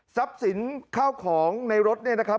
ทรัพย์สินเข้าของในรถเนี่ยนะครับ